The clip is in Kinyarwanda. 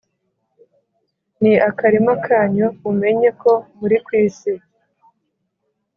ni akarima kanyu, mumenye ko muri ku isi,